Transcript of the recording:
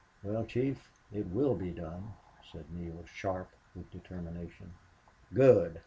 "Well, chief, it will be done," said Neale, sharp with determination. "Good!